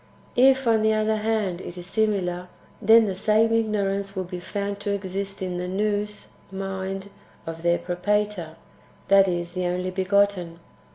If, on the other hand, it is simiLir, then the same ignorance will be found to exist in the Nous (mind) of their Propator, that is, in the Only begotten.